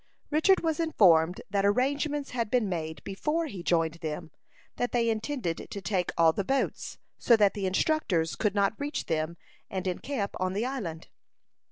Richard was informed that arrangements had been made before he joined them; that they intended to take all the boats, so that the instructors could not reach them, and encamp on the island.